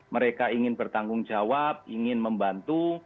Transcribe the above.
mereka ingin bertanggung jawab ingin membantu